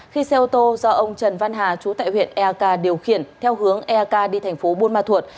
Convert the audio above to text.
khi xe ô tô do ông trần văn hà chú tại huyện ea k điều khiển theo hướng ea k đi thành phố buôn ma thuột